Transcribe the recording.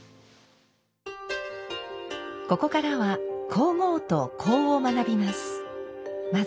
ここからは香合と香を学びます。